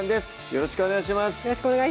よろしくお願いします